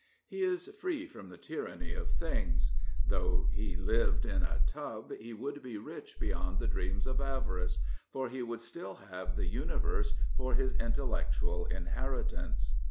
He is free from the tyranny of things. Though he lived in a tub he would be rich beyond the dreams of avs^ce, for he would still haye the universe for his intellectual inheritance.